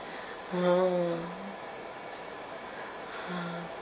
うん。